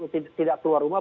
tidak keluar rumah